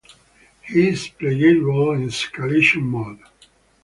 He is playable in escalation mode.